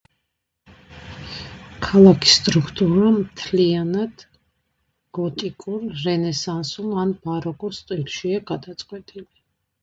ქალაქის სტრუქტურა მთლიანად გოტიკურ, რენესანსულ ან ბაროკოს სტილშია გადაწყვეტილი.